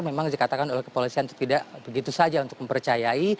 memang dikatakan oleh kepolisian itu tidak begitu saja untuk mempercayai